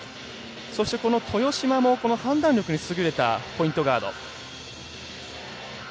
豊島もこの判断力に優れたポイントガード。